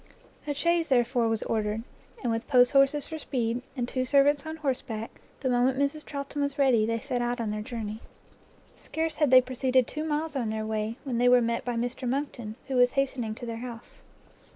A chaise, therefore, was ordered; and with posthorses for speed, and two servants on horseback, the moment Mrs Charlton was ready, they set out on their journey. Scarce had they proceeded two miles on their way, when they were met by Mr Monckton, who was hastening to their house.